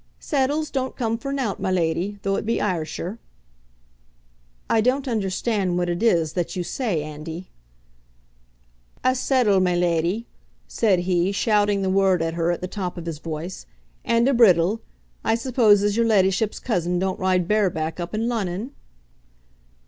"Seddles don't come for nowt, my leddie, though it be Ayrshire." "I don't understand what it is that you say, Andy." "A seddle, my leddie," said he, shouting the word at her at the top of his voice, "and a briddle. I suppose as your leddyship's cousin don't ride bare back up in Lunnon?"